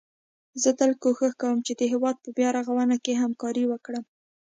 زه تل کوښښ کوم چي د هيواد په بيا رغونه کي همکاري وکړم